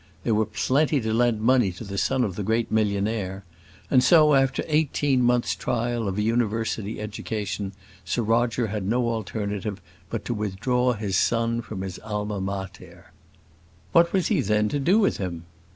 There were plenty to lend money to the son of the great millionaire; and so, after eighteen months' trial of a university education, Sir Roger had no alternative but to withdraw his son from his alma mater. What was he then to do with him?